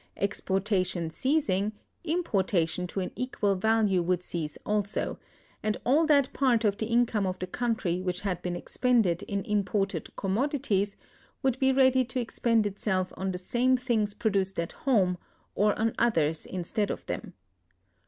Exportation ceasing, importation to an equal value would cease also, and all that part of the income of the country which had been expended in imported commodities would be ready to expend itself on the same things produced at home, or on others instead of them.